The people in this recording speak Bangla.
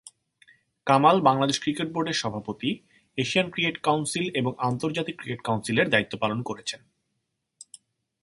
কামাল বাংলাদেশ ক্রিকেট বোর্ডের সভাপতি, এশিয়ান ক্রিকেট কাউন্সিল এবং আন্তর্জাতিক ক্রিকেট কাউন্সিলের দায়িত্ব পালন করেছেন।